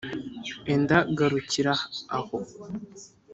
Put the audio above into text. enda garukira aho.’